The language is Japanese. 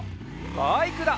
バイクだ！